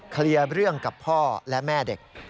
เคลียร์เรื่องกับพ่อและแม่เด็ก